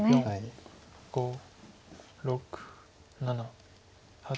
５６７８。